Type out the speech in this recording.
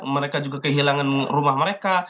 mereka juga kehilangan rumah mereka